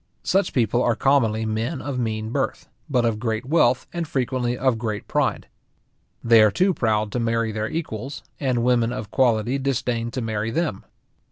Such people are commonly men of mean birth, but of great wealth, and frequently of great pride. They are too proud to marry their equals, and women of quality disdain to marry them.